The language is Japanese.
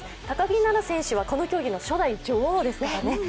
高木菜那選手はこの競技の初代女王ですからね。